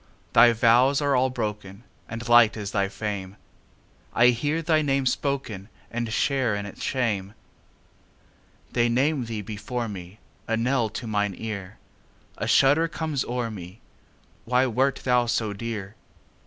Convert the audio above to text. Thy vows are all broken, And light is thy fame:I hear thy name spokenAnd share in its shame. They name thee before me,A knell to mine ear;A shudder comes o'er me—Why wert thou so dear?